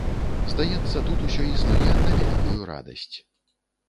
Здаецца, тут усё існуе на вялікую радасць.